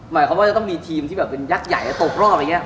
หมายความว่าจะต้องมีทีมที่แบบเป็นยักษ์ใหญ่แล้วตกรอบอะไรอย่างนี้